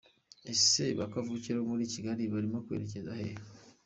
Ese ba Kavukire bo muri Kigali barimo kwerekeza hehe